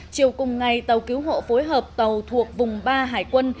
chiều cùng ngày tàu cứu hộ phối hợp tàu thuộc vùng ba hải quân